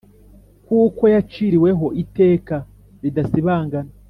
kuko yaciriweho iteka ridasibangana,